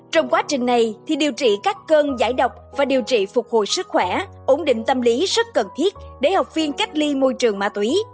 trong quá trình này thì điều trị các cơn giải độc và điều trị phục hồi sức khỏe ổn định tâm lý rất cần thiết để học viên cách ly môi trường ma túy